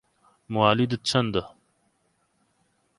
موالیدت چەندە؟